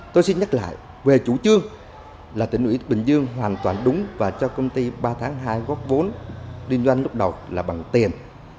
tôi xin nhắc lại về chủ trương là tỉnh ủy bình dương hoàn toàn đúng và cho công ty ba tháng hai góp vốn đi doanh lúc đầu là bằng tiền